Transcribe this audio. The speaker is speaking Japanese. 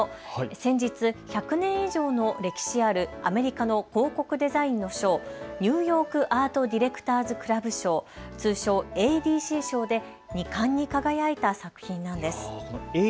先日、１００年以上の歴史あるアメリカの広告デザインの賞、ニューヨークアート・ディレクターズ・クラブ賞通称ＡＤＣ賞で２冠に輝いた作品なんです。